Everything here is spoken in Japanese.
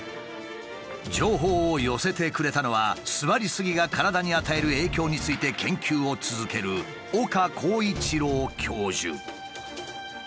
情報を寄せてくれたのは座りすぎが体に与える影響について研究を続ける岡浩一朗教授。